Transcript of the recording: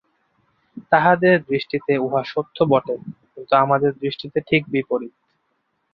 তাহাদের দৃষ্টিতে উহা সত্য বটে, কিন্তু আমাদের দৃষ্টিতে ঠিক বিপরীত।